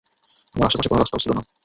আমার আশেপাশে কোন রাস্তাও ছিল না।